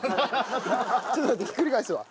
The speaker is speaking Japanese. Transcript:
ちょっと待ってひっくり返すわ。